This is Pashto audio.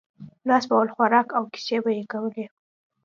ناست به ول، خوراک او کیسې به یې کولې.